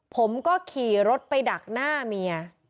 ผมก็ขี่รถไปดักหน้าเมีย